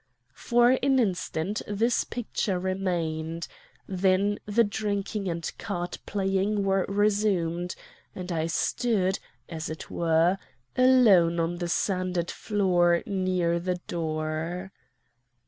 For an instant this picture remained; then the drinking and card playing were resumed, and I stood, as it were, alone on the sanded floor near the door.